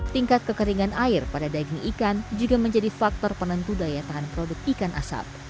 tingkat kekeringan air pada daging ikan juga menjadi faktor penentu daya tahan produk ikan asap